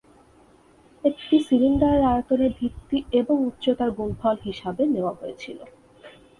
একটি সিলিন্ডারের আয়তনের ভিত্তি এবং উচ্চতার গুণফল হিসাবে নেওয়া হয়েছিল।